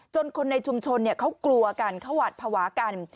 คนในชุมชนเขากลัวกันเขาหวัดภาวะกัน